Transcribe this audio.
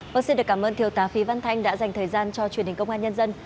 vâng xin được cảm ơn thiều tá phí văn thanh đã dành thời gian cho truyền hình công an nhân dân